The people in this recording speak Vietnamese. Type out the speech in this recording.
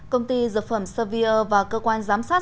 công ty dược phẩm sevier và cơ quan giám sát